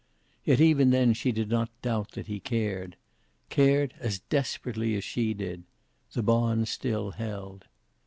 Yet even then she did not doubt that he cared. Cared as desperately as she did. The bond still held.